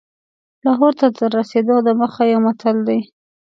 لاهور ته تر رسېدلو دمخه یو متل دی.